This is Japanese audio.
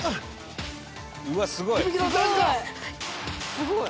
「すごい！」